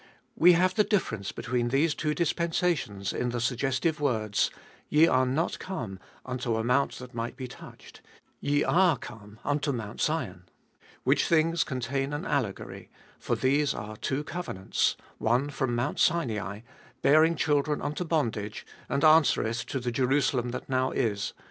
We have the difference between these two dispensations in the suggestive words : Ye are not come unto a mount that might be touched : Ye are come unto Mount Sion. Which things contain an allegory : for these are two covenants ; one from Mount Sinai, bearing children unto bondage, and answereth to the Jerusalem that now is.